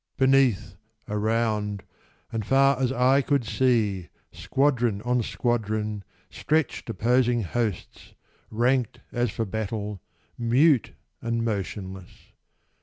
Beneath, around, and far as eye could see, Squadron on squadron, stretched opposing hosts, Ranked as for battle, mute and motionless.